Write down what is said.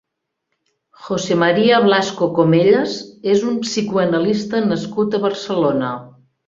José María Blasco Comellas és un psicoanalista nascut a Barcelona.